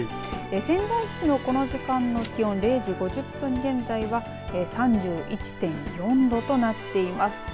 仙台市のこの時間の気温０時５０分現在は３１．４度となっています。